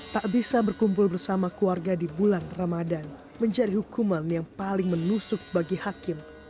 tak bisa berkumpul bersama keluarga di bulan ramadan menjadi hukuman yang paling menusuk bagi hakim